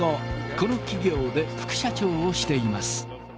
この企業で副社長をしています。